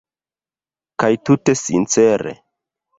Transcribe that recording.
Kaj tute sincere.